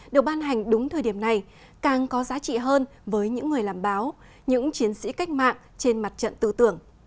được ban hành đúng thời điểm này càng có giá trị hơn với những người làm báo những chiến sĩ cách mạng trên mặt trận tư tưởng